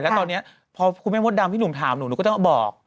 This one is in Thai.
แล้วตอนนี้พอคุณแม่มดดำพี่หนุ่มถามหนูหนูก็ต้องบอก